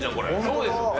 そうですよね。